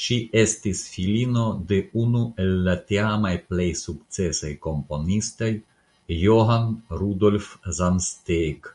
Ŝi estis filino de unu el la tiamaj plej sukcesaj komponistoj Johann Rudolf Zumsteeg.